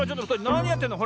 なにやってんの？